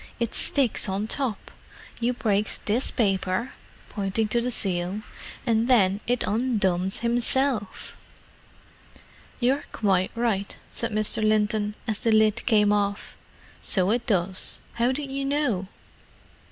"It sticks on top. You breaks this paper"—pointing to the seal—"and then it undones himself." "You're quite right," said Mr. Linton, as the lid came off. "So it does. How did you know?"